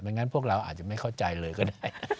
งั้นพวกเราอาจจะไม่เข้าใจเลยก็ได้